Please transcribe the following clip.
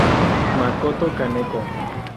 Makoto Kaneko